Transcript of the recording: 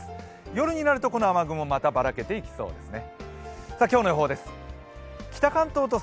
夜になると、この雨雲、またばらけていきそうですね。